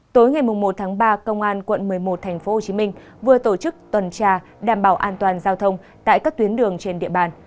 tối ngày một tháng ba công an quận một mươi một tp hcm vừa tổ chức tuần tra đảm bảo an toàn giao thông tại các tuyến đường trên địa bàn